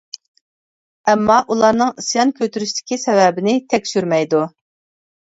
ئەمما ئۇلارنىڭ ئىسيان كۆتۈرۈشتىكى سەۋەبىنى تەكشۈرمەيدۇ.